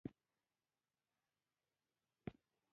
سخوندر د غوا له غولانځې پی رودلي دي